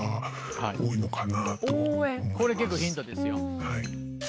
これ結構ヒントですよ。